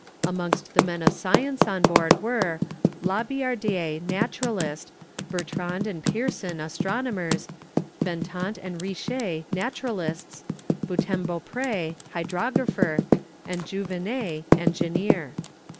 Amongst the men of science on board were, La Billardière, naturalist, Bertrand and Pierson, astronomers, Ventenat and Riche, naturalists, Beautemps Beaupré, hydrographer, and Jouveney, engineer.